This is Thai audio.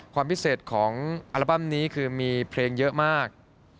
ความพิเศษของอัลบั้มนี้คือมีเพลงเยอะมาก